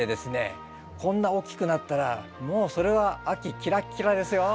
こんな大きくなったらもうそれは秋キラッキラッですよ。